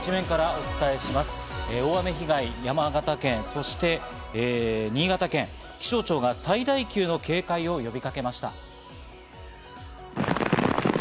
大雨被害、山形県、そして新潟県、気象庁が最大級の警戒を呼びかけました。